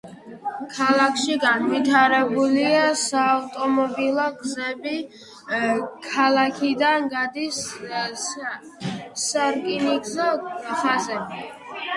ქალაქში განვითარებულია საავტომობილო გზები, ქალაქიდან გადიან სარკინიგზო ხაზები.